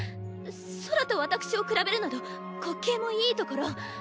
空と私を比べるなど滑稽もいいところ。